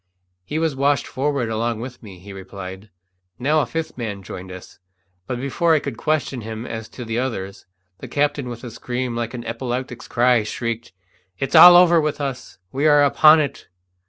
"He was washed forward along with me," he replied. Now a fifth man joined us, but before I could question him as to the others, the captain, with a scream like an epileptic's cry, shrieked, "It's all over with us! We are upon it!"